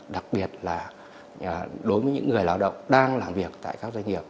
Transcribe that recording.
đặc biệt là đối với những người lao động đang làm việc tại các doanh nghiệp